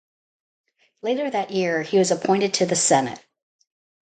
Later that year, he was appointed to the Senate.